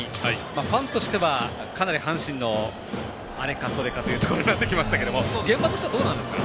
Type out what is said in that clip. ファンとしては、かなり阪神のアレかソレかというところになってきましたが現場としてはどうなんですか？